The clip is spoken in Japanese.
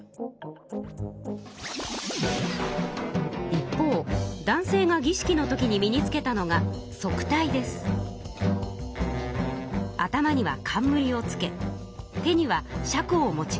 一方男性がぎ式のときに身につけたのが頭には冠をつけ手にはしゃくを持ちました。